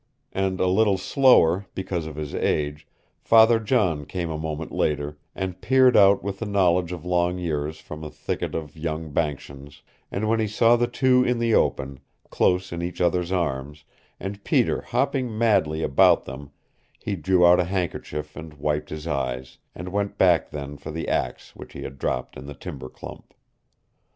And a little slower, because of his age, Father John came a moment later, and peered out with the knowledge of long years from a thicket of young banksians, and when he saw the two in the open, close in each other's arms, and Peter hopping madly about them, he drew out a handkerchief and wiped his eyes, and went back then for the axe which he had dropped in the timber clump.